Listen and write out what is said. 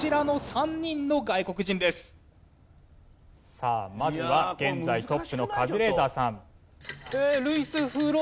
さあまずは現在トップのカズレーザーさん。